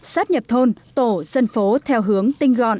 sắp nhập thôn tổ dân phố theo hướng tinh gọn